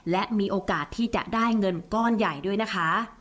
และมีโอกาสที่จะได้เงินก้อนใหญ่ด้วยนะคะ